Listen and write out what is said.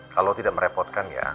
kalau tidak merepotkan ya